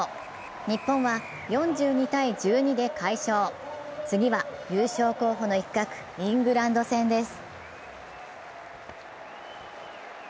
日本は４２−１２で快勝次は優勝候補の一角、イングランド戦です。